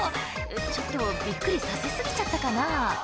ちょっとびっくりさせ過ぎちゃったかな？